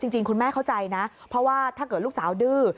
จริงคุณแม่เข้าใจนะเพราะว่าถ้าเกิดลูกสาวดื้อ